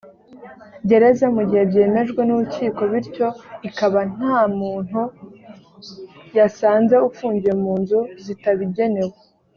gereza mu gihe byemejwe n urukiko bityo ikaba nta muntu yasanze ufungiwe mu nzu zitabigenewe